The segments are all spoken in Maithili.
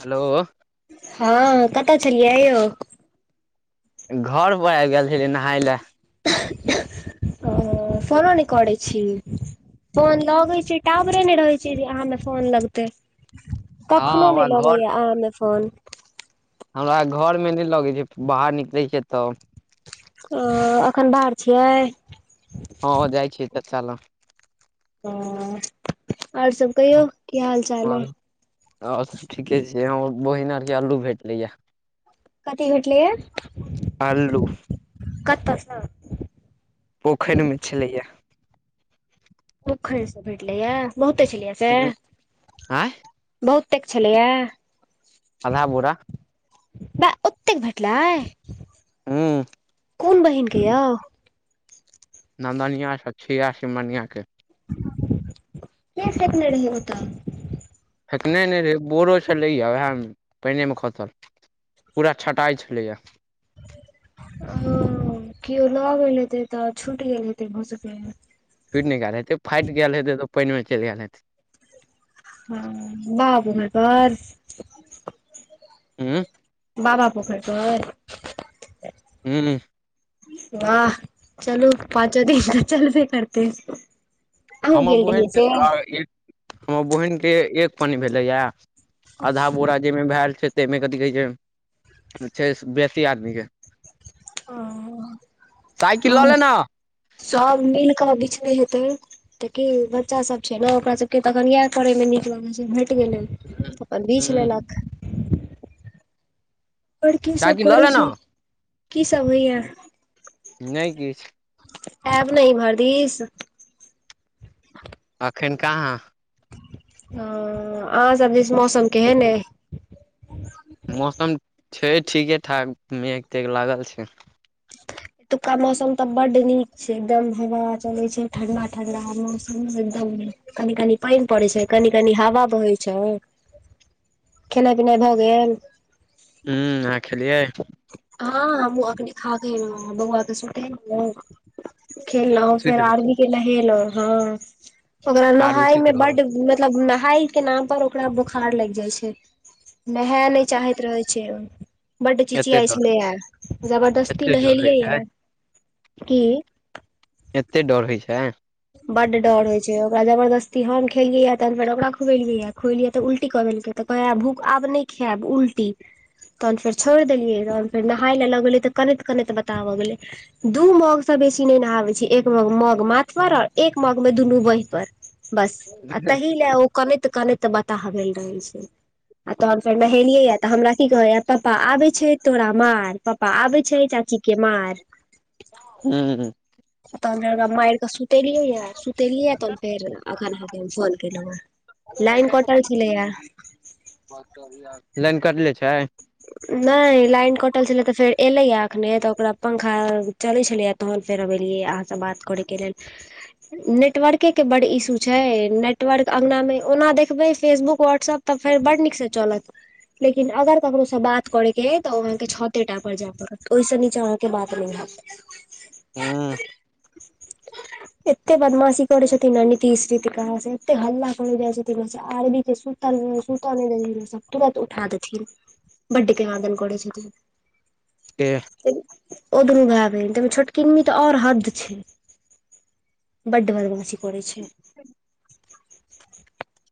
हेलो हँ कतऽ छलियै यौ? घर पर आइब गेल छेलियै नहाय लेए। [unintelligible] ओ फोनो नै करै छी? फोन लगै छै टाॉवरे नै रहै छै जे आहाँमे फोन लगतेै। हँ कखनो हमरा नै घर लगैये अहाँमे फोन। हमरा घर मे नै लगै छै बाहर निकलै छियै तब। ओऽ अखन बाहर छियै? हँ जाइ छियै तऽ चालऽ हॅं और सब कहियौ की हाल चाल अइ? और स ठीके छै हमर बहिन आर के अल्लू भेटलैये। कथी भेटलैये अल्लू कत्तऽ सॅं? पोखरि मे छलैये। पोखरि से भेटलै ये बहुते छलैय से? आँय बहुत तेक छलैयेए। आधा बोरा। बा ओत्तेक भेटलैह। हूॅं। कोन बहिन के यौह? नंदनिया, सखिया, सीमनिया के। के फेकने रहै ओतऽ? फेकने नै रहै बोरो छलैये उहेए म पाइने मे खसल। पूरा छटाइ छलैये। हॅअ कियो लऽ गेल हेतै तऽ छूट गेल हेतै भऽ सकैये। छुटि नै गेएल हेतै फाटि गेएल हेतै तऽ पानिमे चलि गेएल हेतै। हॅं बाबा पोखरि पर? उं बाबा पोखरि पर। हूॅं। वाह चलू पाँचो दिन त चलभे करतै। अहूँ हमर गेल रहियै बहिन के से त एक -हमर ब हीन के एक पन्नी भेलैया। अदहा बोरा जै मे भेएल छै तै मे कथी कहै छै छैस बेसी आदमी के। साइकिल लऽ हॅं ले न ह सब मिल कऽ बिछने हेतै। त की बच्चा सब छै ने ओकरा सबके तऽ अखन येएह करय मे नीक लगै छै भेट गेलै। ह अपन बीछ हूं। लेलक और की सब साइकिल लऽ करै ले न छी की सब होइयेह? नै किछ। ऐब नै इमहर दीस? अखैन कहाँ? ओ अहाँ सब दिस मौसम केहेन ऐ? मौसम छै ठीके ठाक मेघ- तेघ लागल छै। एतुक्का मौसम तऽ बड्ड नीक छै एकदम हवा चलै छै ठंडा-ठंडा ह- मौसम एकदम नीक। कनि कनि पाइन पड़ै छै कनी कनी हावा बहै छय। खेनाय-पिनाय भऽ गेल? हूं अहाँ खेलियै? हाँ हमहूँ अखने खा क एलौं हें बौवा के सु तेलौं खेलौं फेर सुति रहल आरवी के नहेलौं हं। ओकरा आरबी नहाय सुति में रहल बड्ड मतलब नहाइ के नाम पर ओकरा बोखार लागि जाइ छै। नहै नै चाहैत रहै छै ओ बड एते चियाइ डर छेलैया जबरदस्ती एते डर होइ नहेलियै छै यै की एत्ते डर होए छै बड्ड डर होइ छै ओकरा जबरदस्ती हम खेलियैए तहन फेर ओकरा खुएलियैए खुएलियै तऽ उल्टी कऽ देलकै तऽ तै भूख आब नै खैब उल्टी तहन फेर छोइड़ देलियै तहन फेर नहाय लै लऽ गेलै तऽ कनैत कनैत बताह भऽ गेलै दू मग सऽ बेसी नै नहाबै छी एक मग मग माथ पर एक मग में दुनू बाइह पर बस आ तहि लै ओ कनैत कनैत बताह भेल रहै छै आ तहन फेर नहेलियै यै तऽ हमरा की कहैया पप्पा आबै छै तोरा मार प प्पा आबै छै चाची के मार हूं तहन फेर एकरा माइर कऽ सुतेलियै यै सुतेलियै या तहन फेर अखन अहाँके हम फोन केलौ है। लाइन कटल छेलैया [unintelligible] लाइन कटले छै नै लाइन कटल छलै तऽ फेर एलैये अखने तऽ ओकरा पंखा चलै छलैए तहन फेर हम एलेयै यै अहाँ सऽ बात करै के लेल नेटवरके बड्ड इशू छै नेटवर्क अंगना में ओना देखबै फेसबुक व्हाट्सअप तऽ फेर बड़ नीक सऽ चलत लेकिन अगर ककरो सऽ बात करै के अय तऽ ओ अहाँके छते टा पर जै पड़त ओय सऽ नीचा अहाँके बात नै हैत [unintelligible] हऽ [unintelligible] एत्ते बदमाशी करै छथिन नऽ नितीश ऋतिका से एत्ते हल्ला करै जाए छथिन न से आरबी के सु तल सुतऽ नै दै छै सब तुरत उठा देथिन बड्ड केनादैन करै छथिन के ओ दुनू भै बहिन तय में छोटकिनमी तऽ और हद छै बड्ड बदमाशी करै छै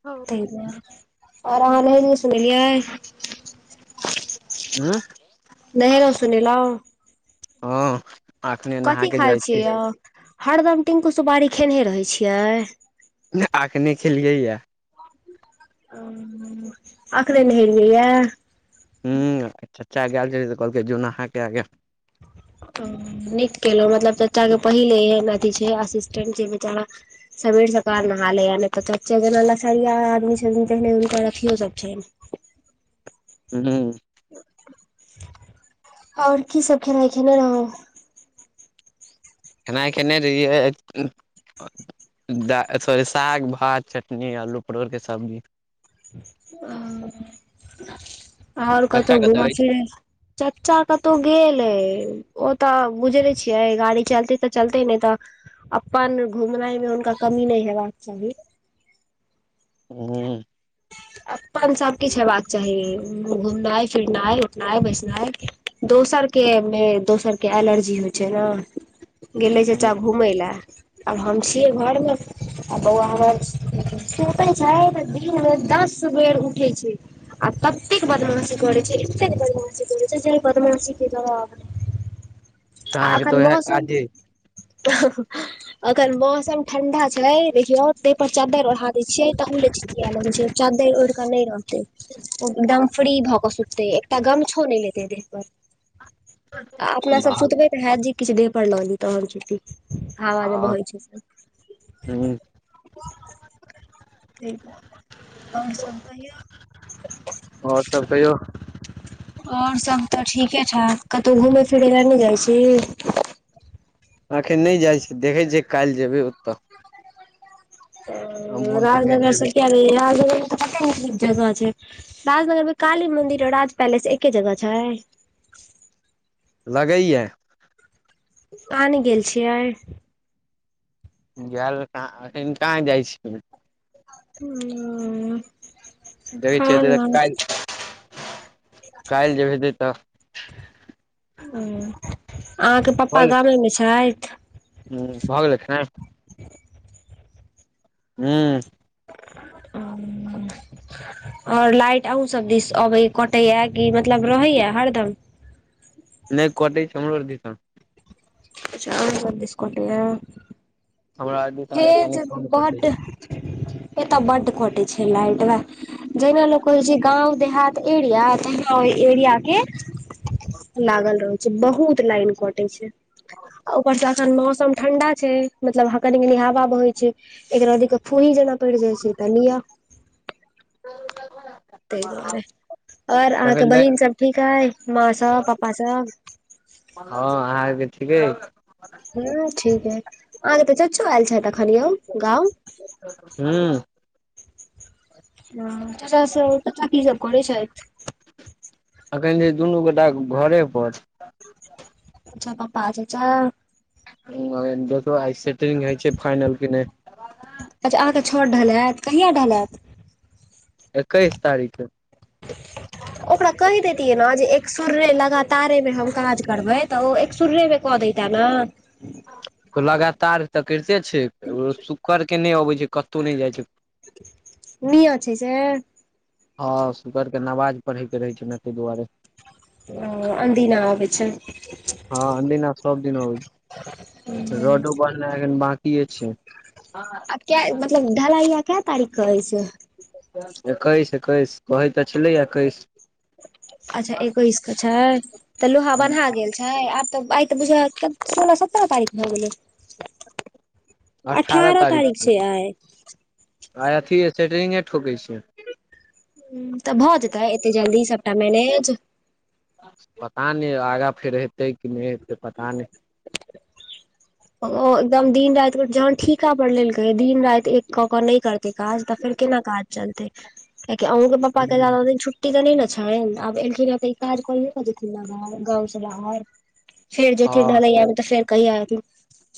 ह और अहाँ नहेलियै सुनेलियै ऊऽ नहेलौ सुनेलौ हँ अखने नहा कथी के खाय जाइ छियै यौ हरदम टिंकु सुपारी खेनहे रहै छियै नै अखने खेलिये यै औ अखने नहेलिये यै हूं चच्चा गैल छलै तऽ कहलकै जो नहा के आ गऽ ओ नीक केलौ मतलब चच्चा के पहिल एहन अथी छै असिस्टेंट जे बेचारा सबेर सकाल नहा लैया नै तऽ चच्चे जेना लसरिया आदमी छथिन तेहने हुनकर अथियो सब छैन हू और की सब खेनाइ खेने रहौ खेनाइ खेने रहियै द सॉरी साग भात चटनी अल्लू परोरके सब्जी ओ और चच्चा कतौ घुम कतऽ अछि फिरे चच्चा कतौ गेल अए ओ तऽ बुझै नै छियै गाड़ी चलतै तऽ चलतै नहि तऽ अपन घुमनाइमे हुनका कमी नै हेबाक चाही। हुं-हुं ह अपन सब किछ हेबाक चाही, घूमनाइ, फिरनाइ, उठनाइ, बैसनाइ। दोसर के मे दोसर के एलर्जी होइ छै ने। गेले चच्चा घूमै ले। आब हम छियै घर मे, आ बौआ हमर [unintelligible] सुतै शायद दिनमे दस बेर उठै छै। आ ततेक बदमाशी करै छै, एतेक बदमाशी करै छै जै बदमाशी के जवाब नै। [inaudible] आ अहाँके एखन तऽ उएह मौसम काजे [inaudible] [unintelligible] अखन मौसम ठंडा छै देखियौ, देह पर चदरि ओढ़ा दै छियै ओहु ले चिचिया लगै छै। चदरि ओढ़िक नै रहतै, ओ एकदम फ्री भ भ क सुततै। एकटा गमछो नै लेतै देह पर, [inaudible] आ अपना सब हँ सुतबै हैत जे किछ देह पर ल ली तहन सुती। हवा जे बहै छै से [inaudible] हूं [unintelligible] आओर सब कहिऔ? [inaudible] आओर सब कहियौ? आओर सब त ठीके ठाक, कतौ घूमै फिरै ले नै जाइ छी? अखन नै जाइ छी, देखै छियै काल्हि जेबै ओत। [unintelligible] ओ मोन संगे राजनगर जेबै सं किए [unintelligible] कते नीक नीक जगह छै? [inaudible] राजनगरमे काली मन्दिर आ राज पैलेस एके जगह छैै? लगैया [inaudible] अहाँ नै गेल छियै? [unintelligible] [inaudible] ओ देखै छियैे जे काल्हि [unintelligible] काल्हि जेबै हेतै त। ओ [inaudible] अहाँके पप्पा गामे मे छथि? हुं भ गेलै खेनाइ? ह [inaudible] हूं और लाइट अहुं सब दिस अबै कटैया कि मतलब रहैया हरदम? नै कटै छै हमरो दिसन। अच्छा अहुं सब दिस कटैया। हमरा [inaudible] दिसन हे तऽ कनि जग कम कटै बड्ड [inaudible] एत बड्ड कटै छै लाइट भै, जै मे लोक कहइ छै गाँव देहात एरिया, त हमरा ओइ एरिया के [inaudible] लागल रहु। बहुत लाइन कटै छै [inaudible] आ ऊपर सं एखन मौसम ठंडा छै, मतलब हं कनी कनी हावा बहै छै, एक रती क फूंही जना परि जाइ छै त लिअ? [unintelligible] तै दुआरे और अहाँके छै बहिन सब ठीक अइ? माँ सब पापा सब? हँ अहाँके ठीके अइ। हमरो ठीक अइ। अहाँके त चच्चो आएल छथि अखन यौ गाँंव? [inaudible] हूं। हेलो चच्चा सब, चच्चा की सब करै छथि? अखन छै दुनू गोटा घरे पर। अच्छा पप्पा आ चच्चा? [unintelligible] सेटिंग होइ छै फाइनल कि नै? अच्छा अहाँ केँ छत ढलाएत, कहिया ढलाएत? एकैस तारीक कै। ओकरा कैह देैतियै नै जे एक सूररे लगातारे मे हम काज करबै। तऽ ओ एक सूररे के क दैता नै। लगातार तै कैरते छै ओ शुक्कर के नै अबै छै कत्तो नै जाए छै। मियां छै से? हां शुक्कर के नवाज पढ़य के रहै छै नै तै दुआरे। औ आनदिना आबाय छै। हां अनदिना सब दिन आबै छै, आ रडौ ब नाय एखन बाकीयै छै। आब कै मतलब ढलैया कै तारीक कै ऐ से। एकैस-एकैस कहै तै छलै एकैस। अच्छा एकैस कै छै तऽ लोहा बन्हा गेल? छै, आब तऽ आय तऽ बुझयौ अहां के सोलह सतरा तारीक भ गेलै। अठारह अठारा तारिक छीयै आय। आय अथी सेटरिंगे ठोके छै। हुं तऽ भऽ जेतै एतय जल्दी सबटा मैनेज? पता नै आगाँ फेर हेतय की नै हेतय पता नै। ओ एकदम दिन राएत के जहन ठीका पड़ लेलकै यै दिन राएत एक कऽ कऽ नै कर ते काज त फेर केना काज चलतै कियाकि अहों के पप्पा के नहि जादा दिन छुट्ट टी तै नै नै छैन आब एलखिन्ह यै तऽ ई काज करिए कै जेथिन न फेर गाँव से बाहर। फेर हँ जैथिन ढलैया मे तऽ फेर कहिया ऐथिन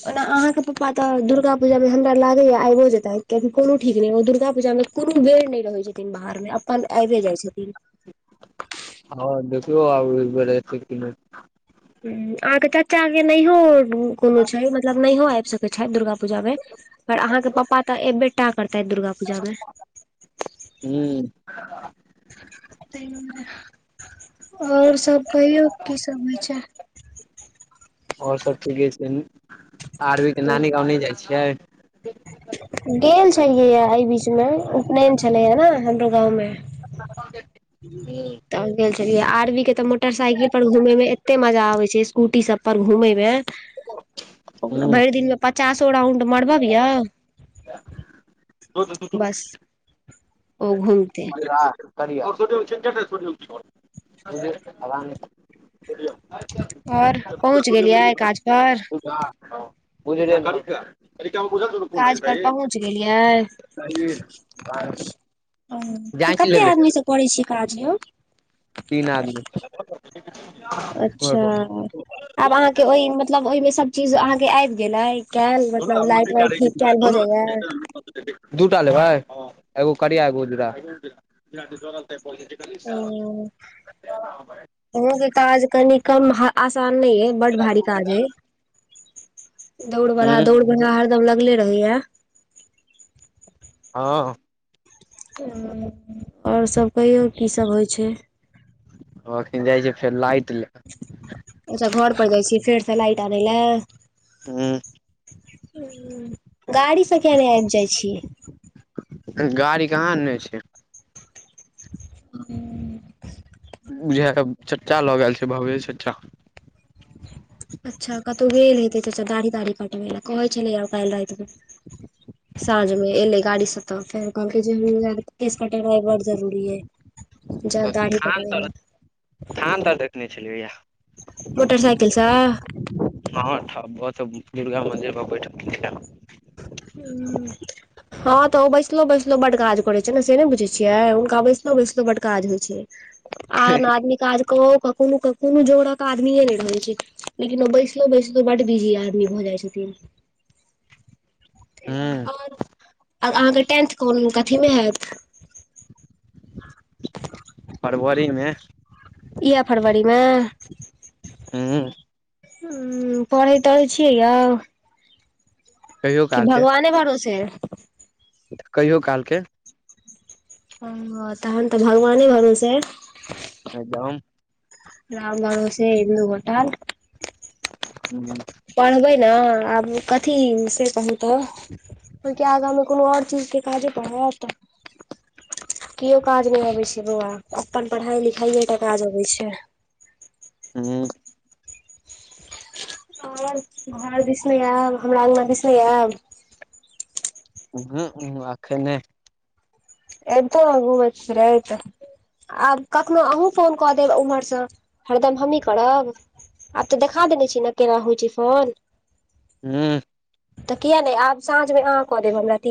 ओना अहाँ के पप्पा तऽ दुर्गा पूजामे हमरा लागय यै आएबै जेतै कियाकि कोनो ठीक नै ओ दुर्गा पूजामे कुनु बेर नै रहै छथिन बाहर मे अपन आएबै जाए छथिन। हां देखियौ आब ऐ बेर ऐतय की नै हुं आहां के चाचा के नहियौ कूनू छै मतलब नहियो आएब सकय छैथ दुर्गा पूजा मे पर अहाँ के पप्पा तऽ ऐबेटा करतै दुर्गा पूजा मे। हूं। तै दुआरे और सब कहियौ की समाचार? और सब ठीके छै आरवी के नानी गाँव नै जाए छियै। गेल छलियै यै ए बीच मे उपनैन छलय यै नै हमरो गाँव मे। खाना भ गेल? त गेल छलियै आरवी के तऽ मोटरसाइकिल पर घूमय मे एते मजा आबे छै, स्कूटी सब पर घुमे मे ओकरा हुं भैर दिन मे पचासो राउंड मरब्बयौ बस ओ घुम [unintelligible] करिया‌ [unintelligible] औरिपहुँच गेलिए काज पर? याद छौ? उजरे देलका [unintelligible] बुझा दुनू काज पर पहुँच गेलियै। हां की जांच कते लेबै आदमी से करै छियै काज यौ? तीन आदमी। अच्छा आब अहाँके ओहि मतलब, ओहिमे सब चीज अहाँके आबि गेलै एऽ। कैल मतलब लाइट- वाइट ठीक कैय भऽ जाइया। दू टा लेबै एगो करिया एगरो उजरा। [inaudible] अहूं के काज कनि कम आसान नहि अय। बड भारी काज अय, दौड़ बढ़हा हुं दौड़ बढ़हा हरदम लगले रहे याऽ। हँऽ। आओर सब कहियौ की सभ होइ छै। अखन जाइ छियै फेर लाइट ले। अच्छा घर पर जाइ छियै फेरसँ लाइट आनय लए। हुं गाड़ी से कियाने आबि जाइ छीये। गाड़ी कहाँ अनने छिये। ओ। बुझाए चचा लऽ गेल छै भावेश चचा। अच्छा कतहु गेल हेते चचा दाढ़ी- ताढ़ी कटबे लए, कहै छलै आ काल्हि राति में। साझमें एलै गाड़ी से तऽ फेर कहलक जे, हमरा केश कटौनय बड़ जरूरी अय, जैब दाढी थान तर कटबैले। थान तर देखने छलियैया। मोटर -साइकिल से। हँ ठ ब तऽ दुर्गा मन्दिर पर बैठल छलै हऽ। हूं। हँ तऽ ओ बैसलो- बैसलो बड़ काज करे छै ने, से नहि बुझे छियै हुनका बैसलो- बैसलो बड़ काज होइ छै। आन आदमी काज कऽओ के कोनो- कोनो जोकड़क आदमीे नहि रहैत छै। लेकिन ओ बैसलो- बैसलो बड बिजी आदमी भऽ जाइ छथिन। हुं आओर अहाँके टेंथ कोन कथीमें हैत। फरवरी में। इएह फरवरी में। हूं। हूं पढ़ैत- तढैत छियै यौऽ। कहियो कि काल के भगवाने भरोसे। कहियो कालके। ओ तहन तऽ भगवाने भरोसे अइ। एकदम। राम भरोसे हिन्दू होटल। हूं। पढ़बै ने आब कथी से कहूं। तऽ ओहिके आगाँमे कोनो आओर चीजके काजे पड़त। केओ काज नहि अबै छै बौआ, अपन पढ़ाई लिखाइए टा काज अबे छै। हूं। आओर घर दिसने आयब हमरा अङगना दिसने आयब। उहूं आखैन ने। एबतौं ने घूमैत फिरैत। आब कखनो अहूँ फोन कऽ देब उम्हरसँ, हरदम हमहीँ करब। आब तऽ देखा देने छी ने केना हो छै फोन। हूँ। तऽ किया नहि आब साँझ मे अहाँ कऽ देब हमरा ती।